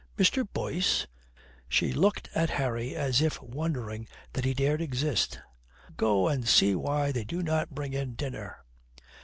"Mr. Boyce?" she looked at Harry as if wondering that he dared exist. "Go and see why they do not bring in dinner."